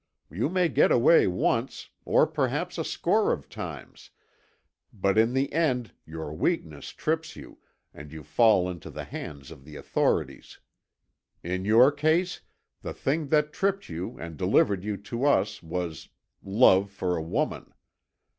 You may get away once, or perhaps a score of times, but in the end your weakness trips you and you fall into the hands of the authorities. In your case the thing that tripped you and delivered you to us was love for a woman.